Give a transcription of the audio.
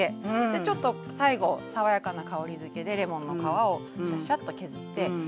でちょっと最後爽やかな香りづけでレモンの皮をシャッシャッと削ってかける。